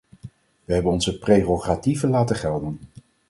Wij hebben onze prerogatieven laten gelden.